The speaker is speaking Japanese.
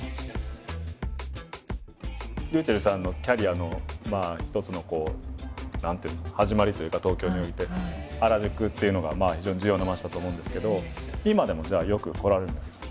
ｒｙｕｃｈｅｌｌさんのキャリアの一つのこう何ていうの始まりというか東京において原宿っていうのが非常に重要な街だと思うんですけど今でもじゃあよく来られるんですか？